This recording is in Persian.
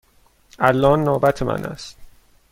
الان نوبت من است.